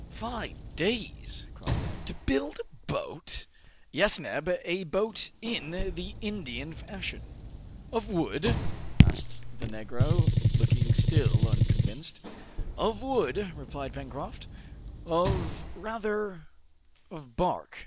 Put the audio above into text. "Five days," cried Neb, "to build a boat?" "Yes, Neb; a boat in the Indian fashion." "Of wood?" asked the Negro, looking still unconvinced. "Of wood," replied Pencroft, "or rather of bark.